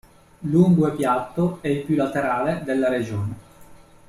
Lungo e piatto è il più laterale della regione.